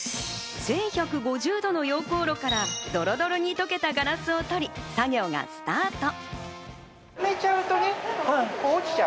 １１５０度の溶鉱炉からドロドロに溶けたガラスを取り、作業がスタート。